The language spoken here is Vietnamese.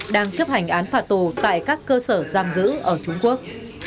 đang chấp hành án phạt tù tại các cơ sở giam giữ ở trung quốc